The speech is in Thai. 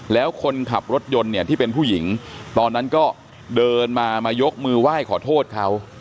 แล้วคนขับรถยนต์เนี่ยที่เป็นผู้หญิงตอนนั้นก็เดินมามายกมือไหว้ขอโทษเขา